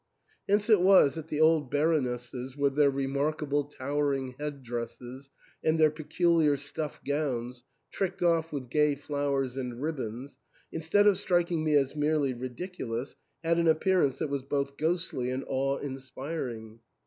Hence it was that the old Baronesses, with their remarkable towering head dresses, and their peculiar stuff gowns, tricked off with gay flowers and ribbons, instead of striking me as merely ridiculous, had an appearance that was both ghostly and awe inspiring.